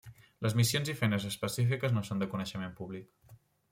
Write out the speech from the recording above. Les missions i feines específiques no són de coneixement públic.